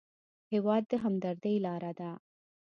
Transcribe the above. هېواد د همدردۍ لاره ده.